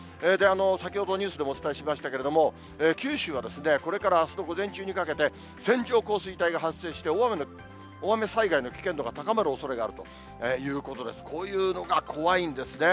先ほど、ニュースでもお伝えしましたけれども、九州はですね、これからあすの午前中にかけて、線状降水帯が発生して、大雨災害の危険度が高まるおそれがあるということで、こういうのが怖いんですね。